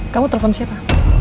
kamu telepon siapa